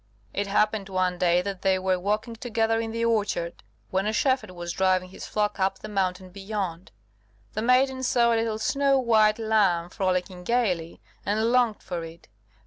It happened one day that they were walking together in the orchard, when a shepherd was driving his flock up the mountain beyond. The maiden saw a little snow white lamb frolicking gaily, and longed for it.